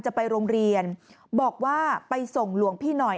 จะไปโรงเรียนบอกว่าไปส่งหลวงพี่หน่อย